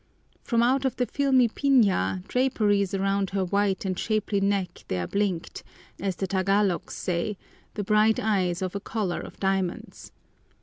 From out the filmy piña draperies around her white and shapely neck there blinked, as the Tagalogs say, the bright eyes of a collar of diamonds.